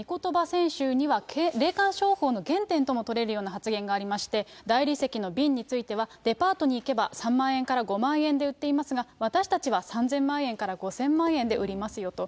選集には霊感商法の原点とも取れるような発言がありまして、大理石の瓶についてはデパートに行けば３万円から５万円で売っていますが、私たちは３０００万円から５０００万円で売りますよと。